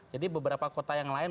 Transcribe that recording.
jadi beberapa kota yang lain